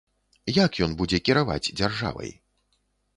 Як ён будзе кіраваць дзяржавай?